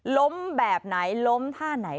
แบบไหนล้มท่าไหน